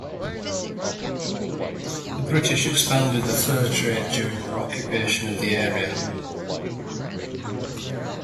The British expanded the fur trade during their occupation of the area.